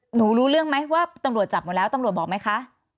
รู้เรื่องไหมว่าตำรวจจับหมดแล้วตำรวจบอกไหมคะ